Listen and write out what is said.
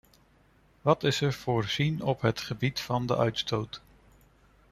Wat is er voorzien op het gebied van de uitstoot?